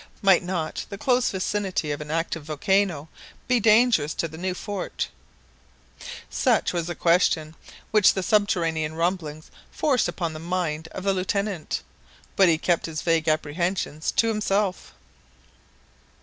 Might not the close vicinity of an active volcano be dangerous to the new fort ? Such was the question which the subterranean rumblings forced upon the mind of the Lieutenant, but he kept his vague apprehensions to himself.